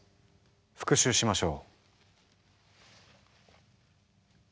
復習しましょう。